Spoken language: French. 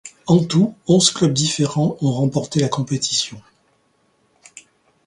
En tout, onze clubs différents ont remporté la compétition.